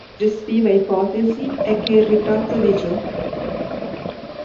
Suggestiva ipotesi è che il ritratto di Gio.